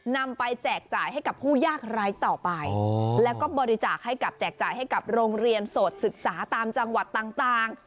นำไปแจกจ่ายให้กับผู้ยากไร้ต่อไปแล้วก็บริจาคให้กับแจกจ่ายให้กับโรงเรียนโสดศึกษาตามจังหวัดต่าง